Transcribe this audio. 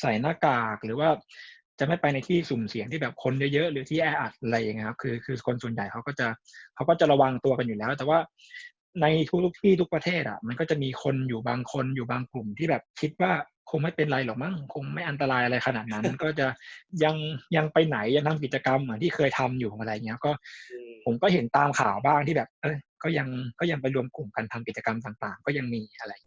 ใส่หน้ากากหรือว่าจะไม่ไปในที่สุ่มเสียงที่แบบคนเยอะหรือที่แออัดอะไรอย่างนี้ครับคือคือคนส่วนใหญ่เขาก็จะเขาก็จะระวังตัวกันอยู่แล้วแต่ว่าในทุกที่ทุกประเทศอ่ะมันก็จะมีคนอยู่บางคนอยู่บางกลุ่มที่แบบคิดว่าคงไม่เป็นไรหรอกมั้งคงไม่อันตรายอะไรขนาดนั้นก็จะยังยังไปไหนยังทำกิจกรรมเหมือนที่เคยทำอยู่อะไร